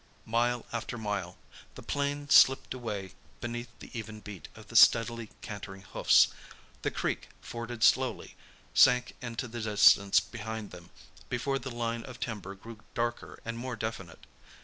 Mile after mile! The plain slipped away beneath the even beat of the steadily cantering hoofs. The creek, forded slowly, sank into the distance behind them; before, the line of timber grew darker and more definite.